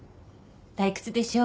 退屈でしょう？